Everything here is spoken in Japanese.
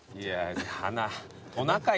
鼻。